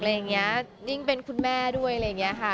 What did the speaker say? เลยอย่างนี้ยิ่งเป็นคุณแม่ด้วย